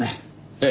ええ。